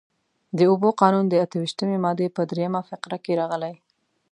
د اوبو قانون د اته ویشتمې مادې په درېیمه فقره کې راغلي.